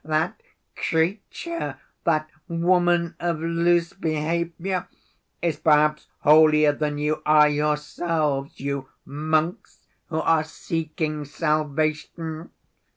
That 'creature,' that 'woman of loose behavior' is perhaps holier than you are yourselves, you monks who are seeking salvation!